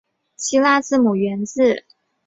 希腊字母源自腓尼基字母。